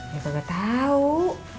ya kagak tau